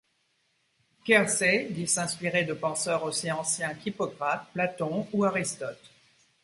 Keirsey dit s'inspirer de penseurs aussi anciens qu'Hippocrate, Platon ou Aristote.